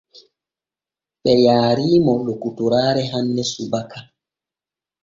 Ɓe yaariimo lokotoraare hanne subaka.